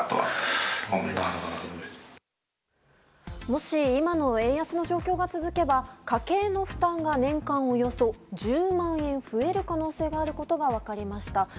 もし、今の円安の状況が続けば家計の負担が、年間およそ１０万円増える可能性があることが分かりました。